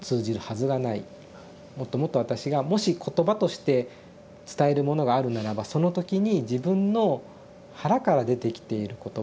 もっともっと私がもし言葉として伝えるものがあるならばその時に自分の腹から出てきている言葉